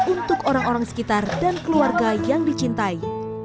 untuk orang orang sekitar dan keluarga yang dicintai